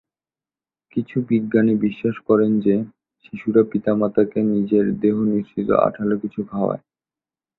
কিছু বিজ্ঞানী বিশ্বাস করেন যে শিশুরা পিতামাতাকে নিজেদের দেহনিঃসৃত আঠালো কিছু খাওয়ায়।